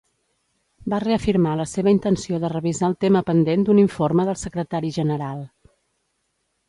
Va reafirmar la seva intenció de revisar el tema pendent d'un informe del Secretari General.